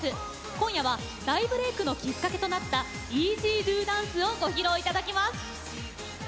今夜は大ブレークのきっかけとなった「ＥＺＤＯＤＡＮＣＥ」をご披露いただきます。